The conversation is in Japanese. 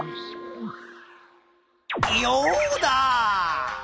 ヨウダ！